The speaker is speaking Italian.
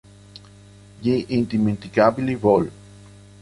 Gli Indimenticabili vol.